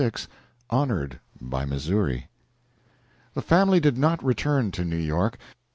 HONORED BY MISSOURI The family did not return to New York.